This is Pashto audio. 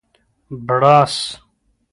بړاس